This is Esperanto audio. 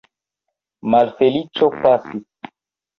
Malfeliĉo pasis!